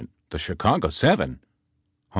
The Chicago Seven ? H.